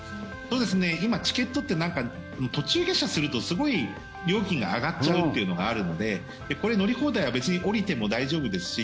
今、チケットって途中下車するとすごい料金が上がっちゃうっていうのがあるのでこれ、乗り放題は別に降りても大丈夫ですし